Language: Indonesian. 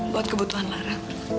buat kebutuhan lara